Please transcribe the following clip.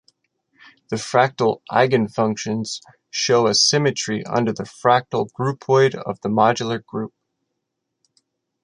The fractal eigenfunctions show a symmetry under the fractal groupoid of the modular group.